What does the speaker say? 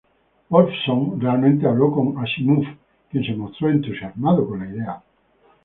Woolfson realmente habló con Asimov, quien se mostró entusiasmado con la idea.